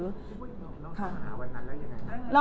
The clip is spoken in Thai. พี่ปุ้ยน้องมาหาวันนั้นแล้วยังไง